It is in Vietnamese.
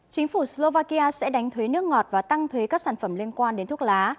chính phủ slovakia sẽ đánh thuế nước ngọt và tăng thuế các sản phẩm liên quan đến thuốc lá